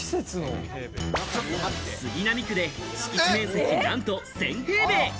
杉並区で敷地面積なんと１０００平米！